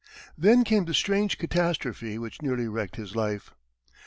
Then came the strange catastrophe which nearly wrecked his life.